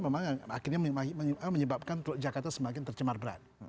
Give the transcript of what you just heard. memang akhirnya menyebabkan teluk jakarta semakin tercemar berat